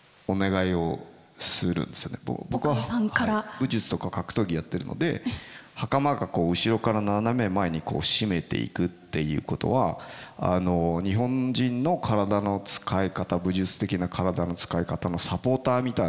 武術とか格闘技やってるので袴がこう後ろから斜め前に締めていくっていうことは日本人の武術的な体の使い方のサポーターみたいな要素を僕は感じていて。